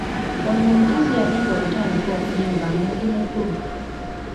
Oyo omukazi yagenda okutandika okuyimba nga ndi mukulu.